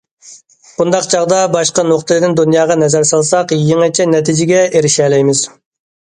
بۇنداق چاغدا باشقا نۇقتىدىن دۇنياغا نەزەر سالساق، يېڭىچە نەتىجىگە ئېرىشەلەيمىز.